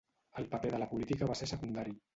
El paper de la política va ser secundari.